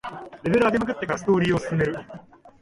レベル上げまくってからストーリーを進める